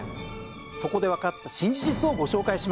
そこでわかった新事実をご紹介します。